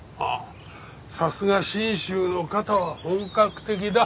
さすが信州の方は本格的だ。